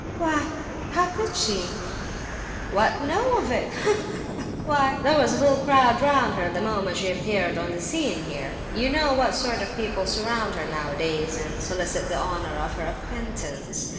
"Why, how could she—" "What, know of it? Ha, ha, ha! Why, there was a whole crowd round her the moment she appeared on the scenes here. You know what sort of people surround her nowadays, and solicit the honour of her 'acquaintance.